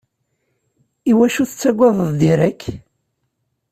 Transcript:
Iwacu tettagadeḍ Derek?